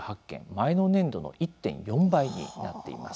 前の年度の１．４倍になっています。